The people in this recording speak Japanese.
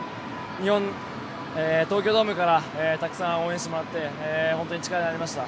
東京ドームからたくさん応援してもらって本当に力になりました。